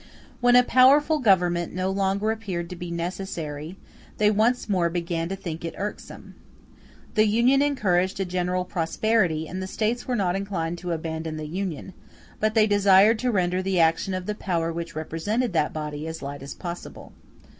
When a powerful Government no longer appeared to be necessary, they once more began to think it irksome. The Union encouraged a general prosperity, and the States were not inclined to abandon the Union; but they desired to render the action of the power which represented that body as light as possible.